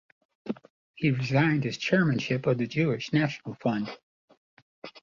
He resigned his chairmanship of the Jewish National Fund.